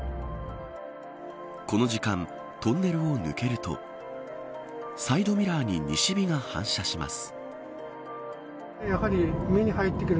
この時間、トンネルを抜けるとサイドミラーに西日が反射します。